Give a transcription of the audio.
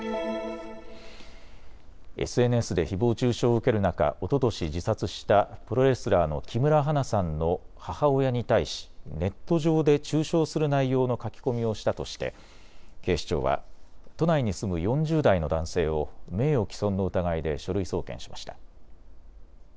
ＳＮＳでひぼう中傷を受ける中、おととし自殺したプロレスラーの木村花さんの母親に対しネット上で中傷する内容の書き込みをしたとして警視庁は都内に住む４０代の男性を名誉毀損の疑いで書類送検しました。